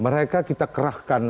mereka kita kerahkan